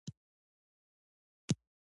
پانګوال په ډېرو پیسو د تولید وسایل پېري